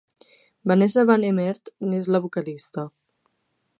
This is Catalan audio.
Vanessa van Hemert n'és la vocalista.